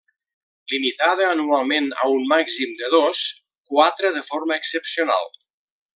Limitada anualment a un màxim de dos, quatre de forma excepcional.